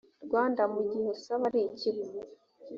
rwanda mu gihe usaba ari ikigo